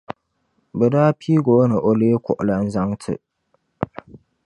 Bi daa piigi o ni o lee kuɣulana zaŋti